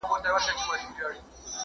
هغه ځان له خرابو انډيوالانو وساتی.